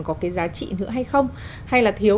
có cái giá trị nữa hay không hay là thiếu